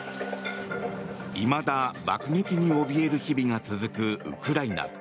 いまだ爆撃におびえる日々が続くウクライナ。